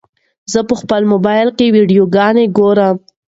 زه په خپل موبایل کې ویډیوګانې ګورم.